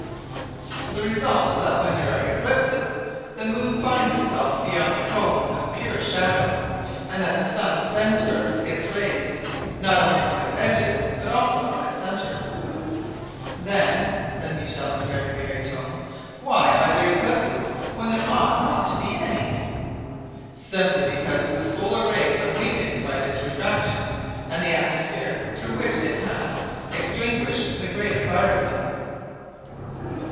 The result is that when there are eclipses, the moon finds itself beyond the cone of pure shadow, and that the sun sends her its rays, not only from its edges, but also from its center." "Then," said Michel, in a merry tone, "why are there eclipses, when there ought not to be any?" "Simply because the solar rays are weakened by this refraction, and the atmosphere through which they pass extinguished the greater part of them!"